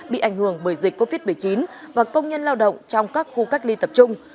bị ảnh hưởng bởi dịch covid một mươi chín và công nhân lao động trong các khu cách ly tập trung